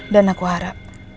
dan aku harap